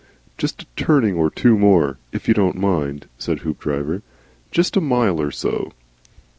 "Jest a turning or two more, if you don't mind," said Hoopdriver. "Jest a mile or so.